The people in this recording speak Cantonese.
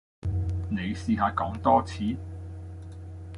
你試下講多次?